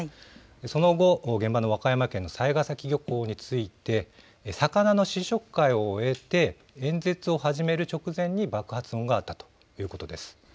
その後、現場の和歌山県の雑賀崎漁港に着いて魚の試食会を終えて演説を始める直前に爆発音があったということです。